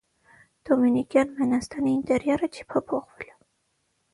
Դոմինիկյան մենաստանի ինտերիերը չի փոփոխվել։